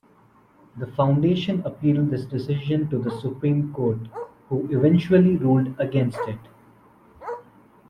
The Foundation appealed this decision to the Supreme Court, who eventually ruled against it.